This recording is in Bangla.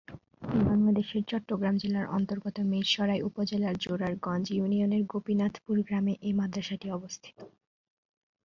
বাংলাদেশের চট্টগ্রাম জেলার অন্তর্গত মীরসরাই উপজেলার জোরারগঞ্জ ইউনিয়নের গোপীনাথপুর গ্রামে এ মাদ্রাসাটি অবস্থিত।